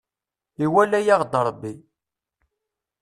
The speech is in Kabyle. Iwala-yaɣ-d Rebbi.